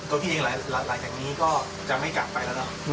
ก็พี่เองหลายจังนี้ก็จะไม่กลับไปแล้วนะครับ